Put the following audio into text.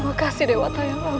sampai berjalan ngelekaan